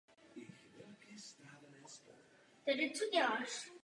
Ukrajinská armáda je podřízená velení Generálního štábu.